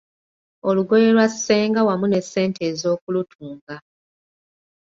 Olugoye lwa Ssenga wamu n’essente ez’okulutunga.